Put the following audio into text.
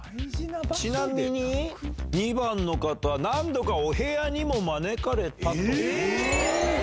ちなみに２番の方何度かお部屋にも招かれたと。